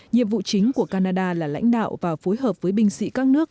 nhiệm vụ chính của canada là lãnh đạo và phối hợp với binh sĩ các nước